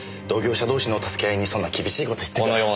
同業者同士の助け合いにそんな厳しい事言っても。